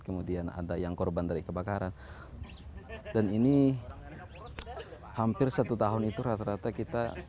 kemudian ada yang korban dari kebakaran dan ini hampir satu tahun itu rata rata kita